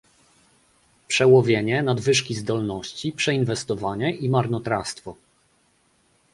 przełowienie, nadwyżki zdolności, przeinwestowanie i marnotrawstwo